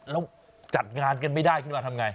แล้วจัดงานกันไม่ได้ขึ้นมาทำไง